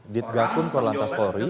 dit gakun korlantas polri